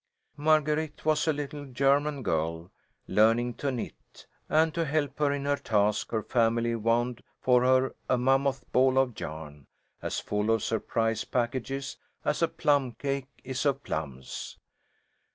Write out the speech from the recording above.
Marguerite was a little German girl, learning to knit, and to help her in her task her family wound for her a mammoth ball of yarn, as full of surprise packages as a plum cake is of plums.